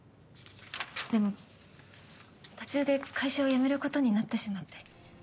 でも途中で会社を辞めることになってしまって。